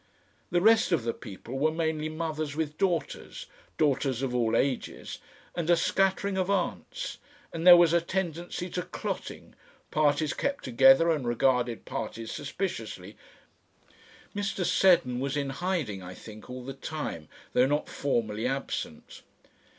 The rest of the people were mainly mothers with daughters daughters of all ages, and a scattering of aunts, and there was a tendency to clotting, parties kept together and regarded parties suspiciously. Mr. Seddon was in hiding, I think, all the time, though not formally absent.